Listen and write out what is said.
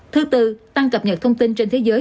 thứ tư tăng cập nhật thông tin trên thế giới